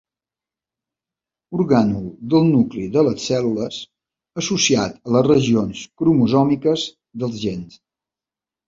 Orgànul del nucli de les cèl·lules associat a les regions cromosòmiques dels gens.